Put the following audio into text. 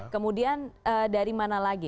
kemudian dari mana lagi